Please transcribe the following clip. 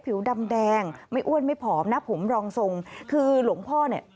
ผิวดำแดงไม่อ้วนไม่ผอมนะผมรองทรงคือหลวงพ่อเนี่ย